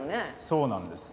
そうなんです。